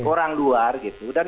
orang luar gitu